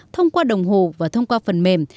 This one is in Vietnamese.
thông qua đồng hồ và thông qua phần mềm